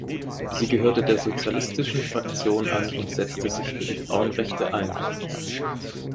Sie gehörte der sozialistischen Fraktion an und setzte sich für die Frauenrechte ein.